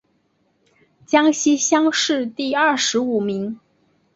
江西乡试第二十五名。